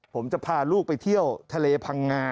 ผมจะพาลูกไปเที่ยวทะเลพังงา